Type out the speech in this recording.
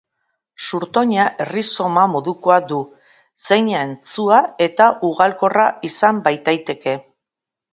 Zurtoina errizoma modukoa du, zeina antzua edo ugalkorra izan baitaiteke.